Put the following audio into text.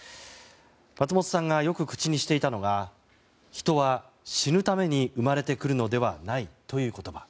松本さんがよく口にしていたのは人は死ぬために生まれてくるのではないという言葉。